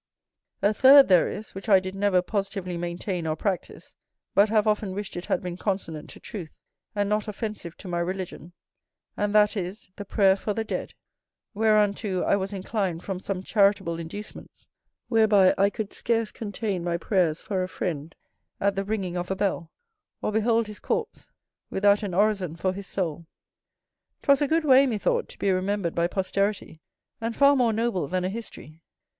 A third there is, which I did never positively maintain or practise, but have often wished it had been consonant to truth, and not offensive to my religion; and that is, the prayer for the dead; whereunto I was inclined from some charitable inducements, whereby I could scarce contain my prayers for a friend at the ringing of a bell, or behold his corpse without an orison for his soul. 'Twas a good way, methought, to be remembered by posterity, and far more noble than a history.